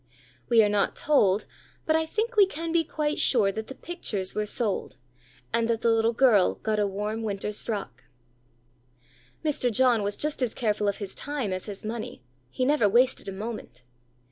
We are not told, but I think we can be quite sure that the pictures were sold, and that the little girl got a warm winter's frock. Mr. John was just as careful of his time as his money, he never wasted a moment.